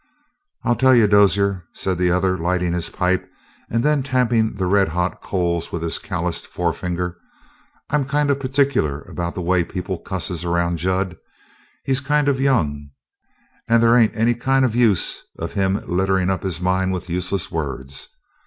"I'll tell you, Dozier," said the other, lighting his pipe and then tamping the red hot coals with his calloused forefinger, "I'm kind of particular about the way people cusses around Jud. He's kind of young, and they ain't any kind of use of him litterin' up his mind with useless words.